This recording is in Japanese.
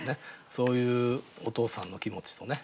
そういうお父さんの気持ちとね。